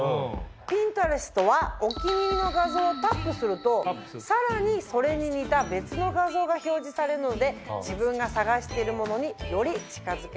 ピンタレストはお気に入りの画像をタップするとさらにそれに似た別の画像が表示されるので自分が探しているものにより近づけます。